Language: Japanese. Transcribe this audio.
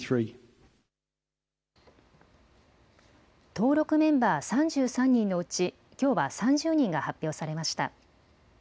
登録メンバー３３人のうちきょうは３０人が発表されました。